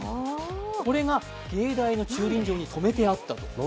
これが芸大の駐輪場に止めてあったと。